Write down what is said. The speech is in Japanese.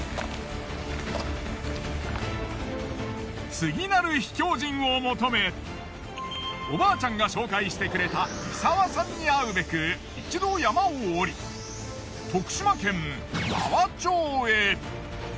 次なる秘境人を求めおばあちゃんが紹介してくれた伊澤さんに会うべく一度山を降り徳島県阿波町へ。